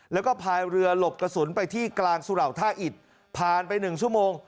แล้วก็พายเรือหลบกระสุนไปที่กลางสุเหล่าท่าอิดผ่านไป๑ชั่วโมง